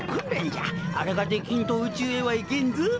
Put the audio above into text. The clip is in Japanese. あれができんと宇宙へは行けんぞ。